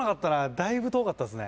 だいぶ遠かったですね。